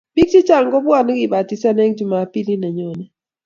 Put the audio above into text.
Biik chechang kobwane kebatisan eng jumambili ne nyone